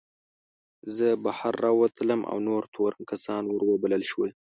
زه بهر راووتلم او نور تورن کسان ور وبلل شول.